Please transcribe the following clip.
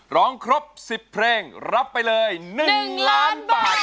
ร้องครบ๑๐เพลงรับไปเลย๑ล้านบาท